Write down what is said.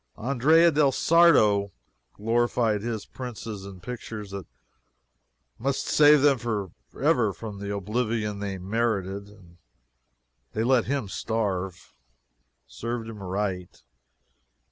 Andrea del Sarto glorified his princes in pictures that must save them for ever from the oblivion they merited, and they let him starve. Served him right.